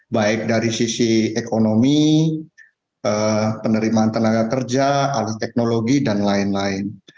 baik dari sisi ekonomi penerimaan tenaga kerja alih teknologi dan lain lain